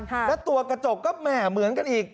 และตัวกระจกก็แหม่เหมือนกันอีก